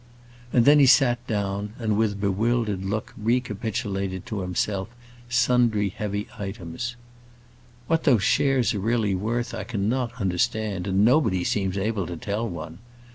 and then he sat down, and with bewildered look recapitulated to himself sundry heavy items. "What those shares are really worth I cannot understand, and nobody seems able to tell one.